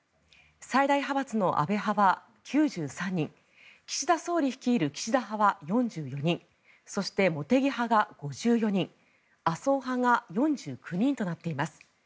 最大派閥の安倍派は９３人岸田総理率いる岸田派は４４人そして、茂木派が５４人麻生派が４９人となっています。